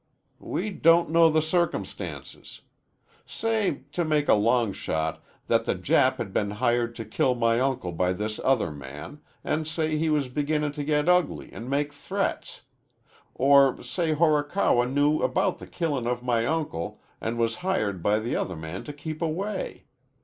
"We don't know the circumstances. Say, to make a long shot, that the Jap had been hired to kill my uncle by this other man, and say he was beginnin' to get ugly an' make threats. Or say Horikawa knew about the killin' of my uncle an' was hired by the other man to keep away.